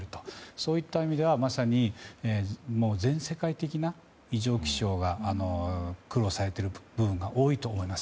そういった意味ではまさに全世界的な異常気象が苦慮されている部分が多いと思います。